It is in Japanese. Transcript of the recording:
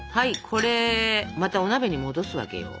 これまたお鍋に戻すわけよ。